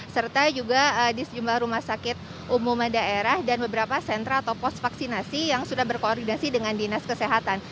serta juga di sejumlah rumah sakit umum daerah dan beberapa sentra atau pos vaksinasi yang sudah berkoordinasi dengan dinas kesehatan